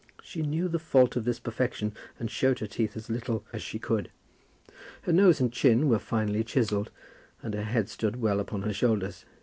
She knew the fault of this perfection, and shewed her teeth as little as she could. Her nose and chin were finely chiselled, and her head stood well upon her shoulders.